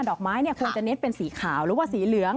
อกไม้ควรจะเน้นเป็นสีขาวหรือว่าสีเหลือง